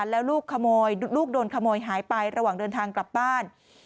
แล้วลูกขโมยลูกโดนขโมยหายไประหว่างเดินทางกลับบ้าน